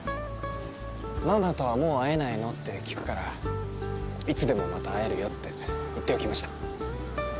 「ママとはもう会えないの？」って聞くから「いつでもまた会えるよ」って言っておきました。